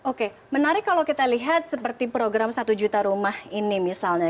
oke menarik kalau kita lihat seperti program satu juta rumah ini misalnya